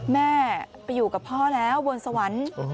แม่ไปอยู่กับพ่อแล้วบนสวรรค์